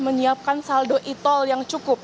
menyiapkan saldo e tol yang cukup